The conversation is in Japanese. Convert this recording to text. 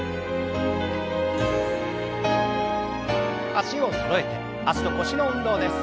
脚をそろえて脚と腰の運動です。